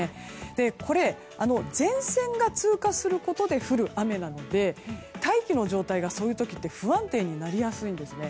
これ、前線が通過することで降る雨なので大気の状態が不安定になりやすいんですね。